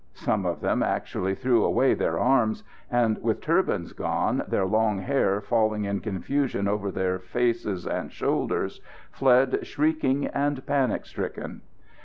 Some of them actually threw away their arms, and, with turbans gone, their long hair falling in confusion over their face and shoulders, fled shrieking and panic stricken.